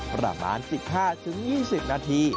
ประมาณ๑๕๒๐นาที